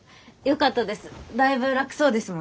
よかったです。